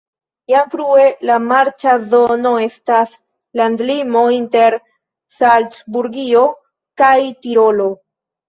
Jam frue la marĉa zono estis landlimo inter Salcburgio kaj Tirolo.